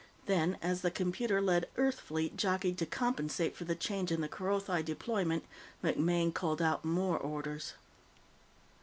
Then, as the computer led Earth fleet jockeyed to compensate for the change in the Kerothi deployment, MacMaine called out more orders.